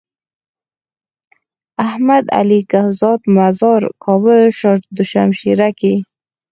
احمد علي کهزاد مزار کابل شاه دو شمشيره کي۔